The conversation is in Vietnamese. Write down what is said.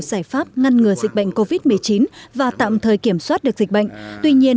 giải pháp ngăn ngừa dịch bệnh covid một mươi chín và tạm thời kiểm soát được dịch bệnh tuy nhiên